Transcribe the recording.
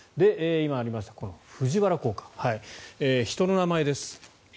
今、ありました藤原効果人の名前です。